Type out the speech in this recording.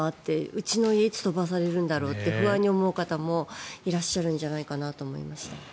うちの家いつ飛ばされるんだろうって不安に思う方もいらっしゃるんじゃないかなと思いました。